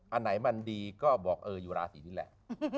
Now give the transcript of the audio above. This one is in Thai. อันไหนมันดีก็บอกเอออยู่ราศีนี้แหละ